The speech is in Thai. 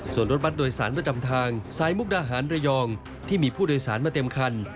ส่วนรถบัตรโดยสารประจำทางซ้ายมุกดาหารระยองที่มีผู้โดยสารมาเต็มคัน